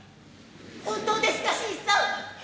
本当ですか新さん。